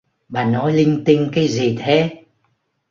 Bà nói linh tinh cái gì thế